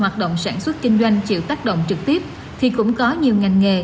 hoạt động sản xuất kinh doanh chịu tác động trực tiếp thì cũng có nhiều ngành nghề